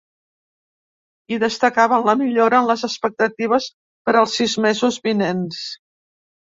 I destacaven la millora en les expectatives per als sis mesos vinents.